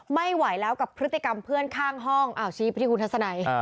ไม่ไหวแล้วกับพฤติกรรมเพื่อนข้างห้องชี้ไปที่คุณทัศนัย